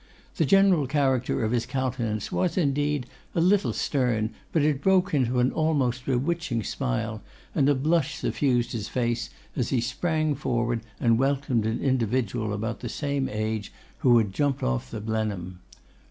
The general character of his countenance was, indeed, a little stern, but it broke into an almost bewitching smile, and a blush suffused his face, as he sprang forward and welcomed an individual about the same age, who had jumped off the Blenheim.